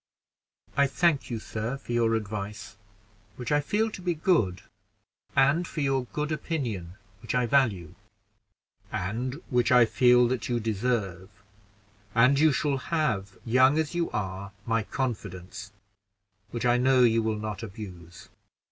"I thank you, sir, for your advice, which I feel to be good, and for your good opinion, which I value." "And which I feel that you deserve; and you shall have, young as you are, my confidence, which I know you will not abuse.